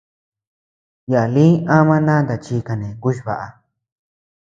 Yaa lï ama nanta chi kane kuchba.